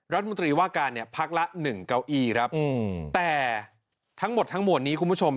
รัฐมนตรีว่าการเนี่ยพักละหนึ่งเก้าอี้ครับแต่ทั้งหมดทั้งมวลนี้คุณผู้ชม